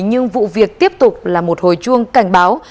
nhưng vụ việc tiếp tục là một hồi chuông cảnh báo